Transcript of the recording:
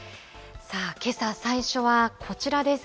けさ最初はこちらです。